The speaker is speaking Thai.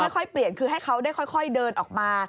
ค่อยเปลี่ยนคือให้เขาได้ค่อยเดินออกมา